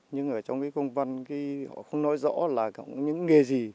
nhưng ở trong cái công văn họ không nói rõ là những nghề gì